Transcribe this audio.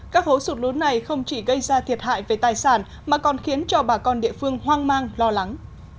các hố sụt lún này không chỉ gây ra thiệt hại về tài sản mà còn khiến cho bà con địa phương hoang mang lo lắng